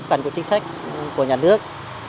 cần có chính sách của nhà nước